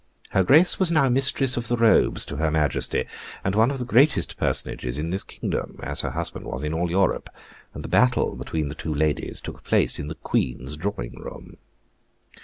Her Grace was now Mistress of the Robes to her Majesty, and one of the greatest personages in this kingdom, as her husband was in all Europe, and the battle between the two ladies took place in the Queen's drawing room.